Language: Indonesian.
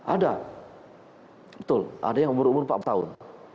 ada betul ada yang umur umur empat tahun